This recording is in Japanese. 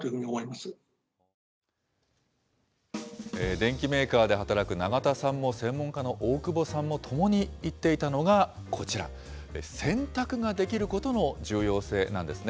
電機メーカーで働く永田さんも、専門家の大久保さんもともに言っていたのがこちら、選択ができることの重要性なんですね。